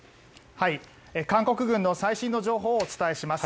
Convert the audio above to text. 韓国軍の最新の情報をお伝えします。